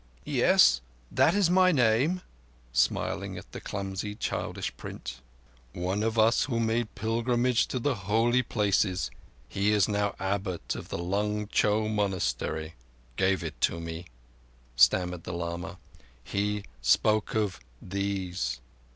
"Yes, that is my name," smiling at the clumsy, childish print. "One of us who had made pilgrimage to the Holy Places—he is now Abbot of the Lung Cho Monastery—gave it me," stammered the lama. "He spoke of these."